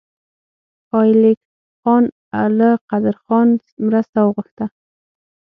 ایلک خان له قدرخان مرسته وغوښته.